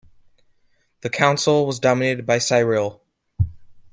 The Council was dominated by Cyril.